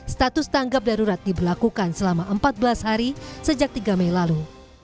status tanggap darurat diberlakukan selama empat belas hari sejak tiga mei lalu